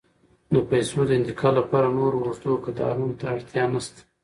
د پیسو د انتقال لپاره نور اوږدو کتارونو ته اړتیا نشته.